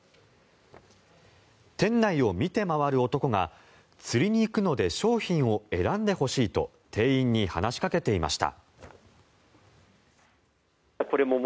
店内を見て回る男が釣りに行くので、商品を選んでほしいと店員に話しかけていました。